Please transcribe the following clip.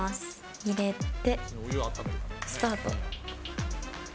入れて、スタート。